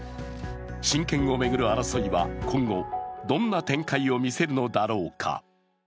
親権を巡る争いは今後どんな展開を見せるのだろうか。